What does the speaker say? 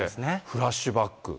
フラッシュバック。